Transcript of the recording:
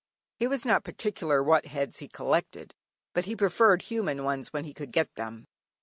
He was not particular what heads he collected, but he preferred human ones when he could get them.